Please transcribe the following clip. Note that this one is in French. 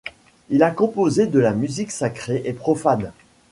Il a composé de la musique sacrée et profane.